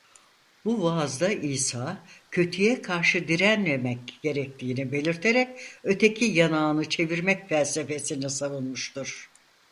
Bu vaazda İsa "kötüye karşı direnmemek" gerektiğini belirterek öteki yanağını çevirmek felsefesini savunmuştur.